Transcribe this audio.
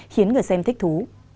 khiến người xem thích thú